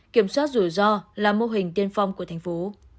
kiểm soát rủi ro là mô hình tiên phong của thành phố